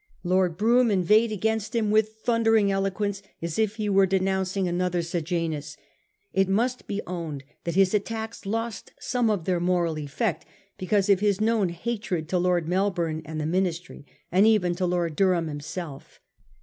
Lord Brougham inveighed against bim with thundering eloquence as if he were denouncing another Sejanus. It must be owned that his attacks lost some of their moral effect because of his known hatred to Lord Melbourne and the Ministry, and even to Lord Durham himself.